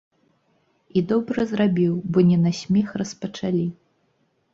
І добра зрабіў, бо не на смех распачалі.